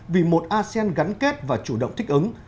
vì một asean gắn kết và chủ động thích ứng